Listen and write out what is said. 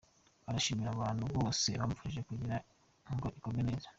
Arashimira abantu bose bamufashije kugira ngo ikorwe neza.